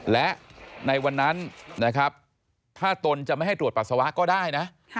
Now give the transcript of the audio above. และในวันนั้นนะครับถ้าตนจะไม่ให้ตรวจปัสสาวะก็ได้นะ